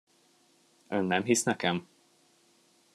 Ön nem hisz nekem?